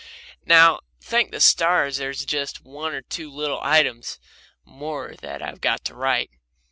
Now, thank the stars, there's just one or two little items more that I've got to write.